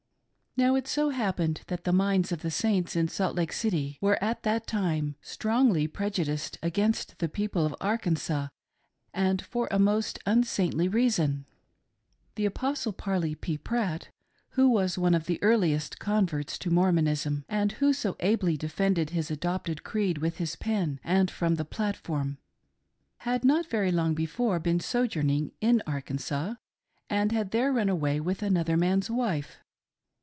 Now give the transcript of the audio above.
Now it so happened that the minds of the Saints in Salt Lake City were at that time strongly prejudiced against the people of Arkansas, and for a most unsaintly reason. The Apostle Parley P. Pratt, who was one of the earliest converts to Mormonism, and who so ably defended his adopted creed with his pen and from the platform, had not very long before been sojourning in Arkansas and had there run away with another man's wife.